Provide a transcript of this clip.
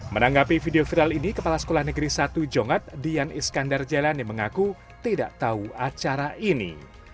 menanggapi video viral ini kepala sekolah negeri satu jongat dian iskandar jelani mengaku tidak tahu acara ini